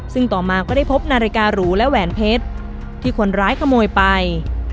ซึ่งต่อมาก็ได้พบนาฬิการูและแหวนเพชรที่คนร้ายขโมยไป